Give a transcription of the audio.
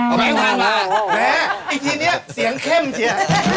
เอาแบงก์๒๐มาแม่อีกทีเนี่ยเสียงเข้มเจีย